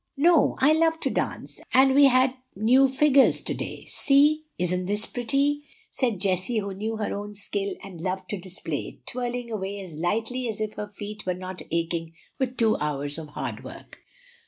"No; I love to dance, and we had new figures to day. See! isn't this pretty?" and Jessie, who knew her own skill and loved to display it, twirled away as lightly as if her feet were not aching with two hours of hard work.